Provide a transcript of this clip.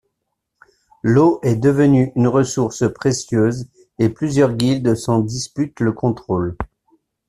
L'eau est devenue une ressource précieuse et plusieurs guildes s'en disputent le contrôle.